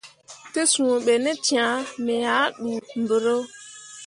Te sũũ be ne cãã, me ah ɗuu mbǝro.